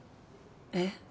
えっ？